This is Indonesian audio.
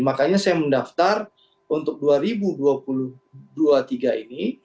makanya saya mendaftar untuk dua ribu dua puluh tiga ini